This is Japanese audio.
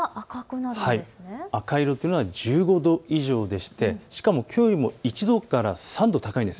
赤色は１５度以上でして、しかもきょうよりも１度から３度高いんです。